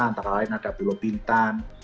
antara lain ada pulau bintan